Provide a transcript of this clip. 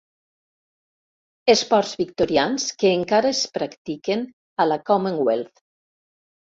Esports victorians que encara es practiquen a la Commonwealth.